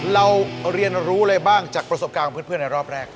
เราเรียนรู้อะไรบ้างจากประสบการณ์ของเพื่อนในรอบแรก